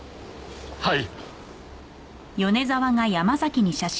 はい。